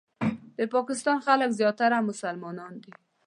د پاکستان خلک زیاتره مسلمانان دي.